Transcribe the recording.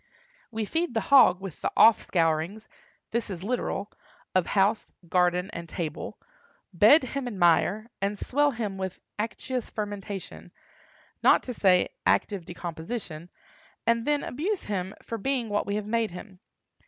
We feed the hog with the offscourings (this is literal) of house, garden, and table; bed him in mire, and swell him with acetous fermentation, not to say active decomposition, and then abuse him for being what we have made him.